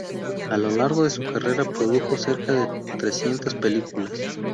A lo largo de su carrera produjo cerca de trescientas películas.